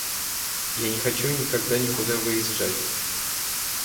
Я не хочу никогда никуда выезжать.